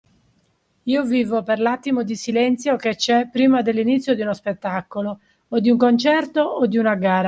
Io vivo per l’attimo di silenzio che c’è prima dell’inizio di uno spettacolo o di un concerto o di una gara.